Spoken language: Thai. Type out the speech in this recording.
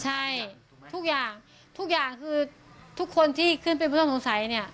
ใช่ทุกอย่างทุกอย่างคือทุกคนที่ขึ้นเป็นผู้ต้องสงสัยเนี่ย